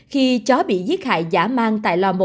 khi chó bị giết hại giả mang